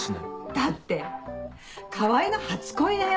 だって川合の初恋だよ